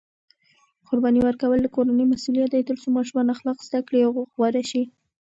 قرباني ورکول د کورنۍ مسؤلیت دی ترڅو ماشومان اخلاق زده کړي او غوره شي.